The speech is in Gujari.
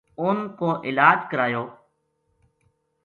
اُنھ کو علاج کرایو